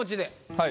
はい。